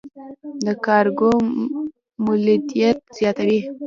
د کارګرو مولدیت زیاتوي.